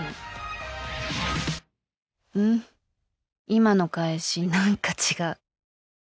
今の返し何か違う。